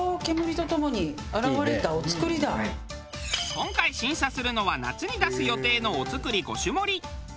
今回審査するのは夏に出す予定のお造り５種盛り。